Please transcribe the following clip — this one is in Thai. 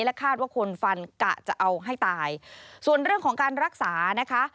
คาดว่าคนฟันกะจะเอาให้ตายส่วนเรื่องของการรักษานะคะ